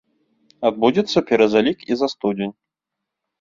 Адбудзецца пераразлік і за студзень.